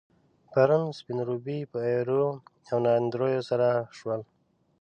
پرون، سپين روبي په ايريو او ناندريو سر شول.